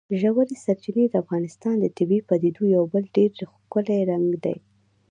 ژورې سرچینې د افغانستان د طبیعي پدیدو یو بل ډېر ښکلی رنګ دی.